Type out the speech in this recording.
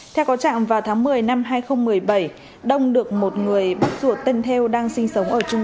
theo có trạng vào tháng một mươi năm hai nghìn một mươi bảy đông được một người bắt ruột tên theo đang sinh sống ở trung